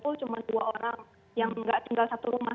jadi kalau di luar itu cuma dua orang yang tidak tinggal satu rumah